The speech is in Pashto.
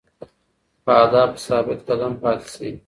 په اهدافو ثابت قدم پاتې شئ.